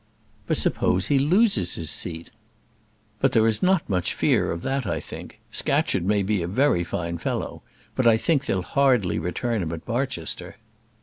"But suppose he loses his seat?" "But there is not much fear of that, I think. Scatcherd may be a very fine fellow, but I think they'll hardly return him at Barchester."